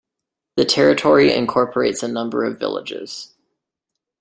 The territory incorporates a number of villages.